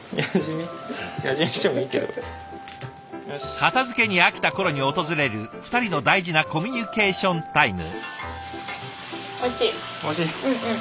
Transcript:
片づけに飽きた頃に訪れる２人の大事なコミュニケーションタイム。